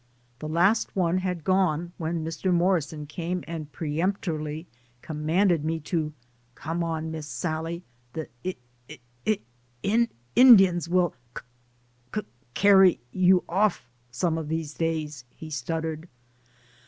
The last one had gone when Mr. Morrison came and peremptorily commanded me to "Come on. Miss Sallie. The I I I Indians will c c c carry you off some of these days," he stuttered.